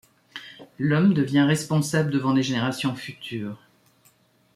L'homme devient responsable devant les générations futures.